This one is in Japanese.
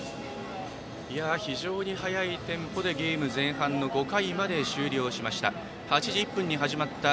非常に速いテンポで、ゲームは前半の５回まで終了しました。